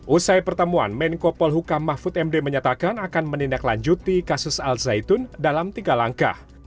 usai pertemuan menko polhukam mahfud md menyatakan akan menindaklanjuti kasus al zaitun dalam tiga langkah